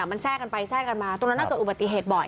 มันแทรกกันไปแทรกกันมาตรงนั้นเกิดอุบัติเหตุบ่อย